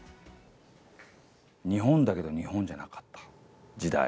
日本だけど日本じゃなかった時代。